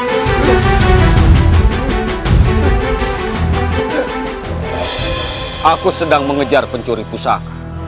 kujang kembar mendengar perintah